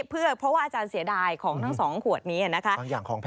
เพื่อเพราะว่าอาจารย์เสียดายของทั้ง๒ขวดนี้นะคะ